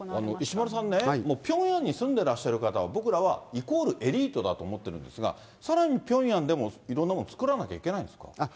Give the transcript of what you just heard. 石丸さんね、もうピョンヤンに住んでらっしゃる方は、僕らは、イコールエリートだと思ってるんですが、さらにピョンヤンでも、いろんなもの作らなきゃいけないんですか？